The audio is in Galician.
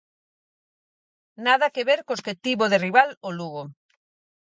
Nada que ver cos que tivo de rival o Lugo.